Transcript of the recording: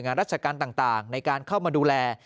ทุกภาคส่วนทั้งหน่วยงานรัชการต่างในการเข้ามาดูแล